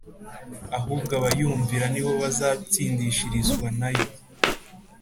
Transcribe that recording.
ahubwo abayumvira ni bo bazatsindishirizwa na yo.